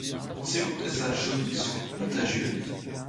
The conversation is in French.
Pensez-vous que sa jaunisse soit contagieuse ?